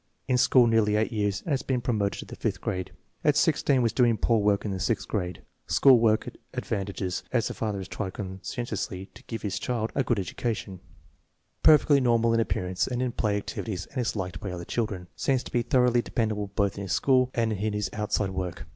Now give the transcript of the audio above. In school nearly eight years and has been promoted to the fifth grade. At 16 was doing poor work in the sixth grade. Good school advantages, as the father has tried conscientiously to INTELLIGENCE QUOTIENT SIGNIFICANCE 91 give his children "a good education." Perfectly normal in appear ance and in play activities and is liked by other children. Seems to be thoroughly dependable both in school and in his outside work.